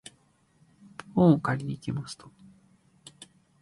本を借りに行きました。